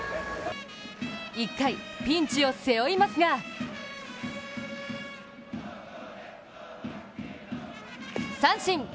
１回、ピンチを背負いますが三振！